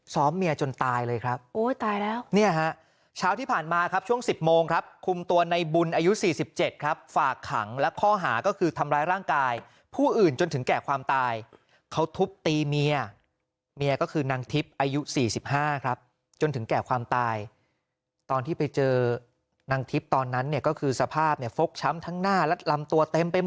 เมียจนตายเลยครับโอ้ยตายแล้วเนี่ยฮะเช้าที่ผ่านมาครับช่วง๑๐โมงครับคุมตัวในบุญอายุ๔๗ครับฝากขังและข้อหาก็คือทำร้ายร่างกายผู้อื่นจนถึงแก่ความตายเขาทุบตีเมียเมียก็คือนางทิพย์อายุ๔๕ครับจนถึงแก่ความตายตอนที่ไปเจอนางทิพย์ตอนนั้นเนี่ยก็คือสภาพเนี่ยฟกช้ำทั้งหน้าและลำตัวเต็มไปหมด